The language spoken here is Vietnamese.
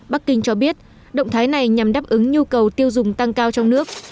bắc kinh cho biết động thái này nhằm đáp ứng nhu cầu tiêu dùng tăng cao trong nước